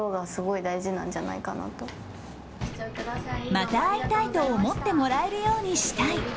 また会いたいと思ってもらえるようにしたい。